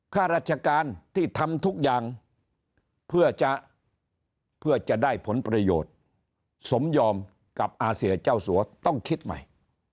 ข้าราชการที่ทำทุกอย่างเพื่อจะเพื่อจะได้ผลประโยชน์สมยอมกับอาเซียเจ้าสัวต้องคิดใหม่